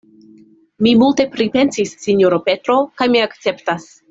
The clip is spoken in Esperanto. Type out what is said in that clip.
Mi multe pripensis, sinjoro Petro; kaj mi akceptas.